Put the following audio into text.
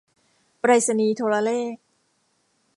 ไปรษณีย์โทรเลข